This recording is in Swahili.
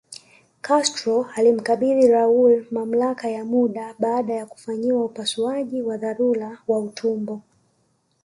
Castro alimkabidhi Raul mamlaka ya muda baada ya kufanyiwa upasuaji wa dharura wa utumbo